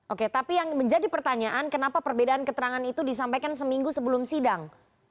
oke tapi yang menjadi pertanyaan kenapa perbedaan keterangan itu disampaikan seminggu sebelum sidang